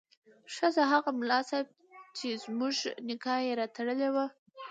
ښځه: هغه ملا صیب چې زموږ نکاح یې راتړلې وه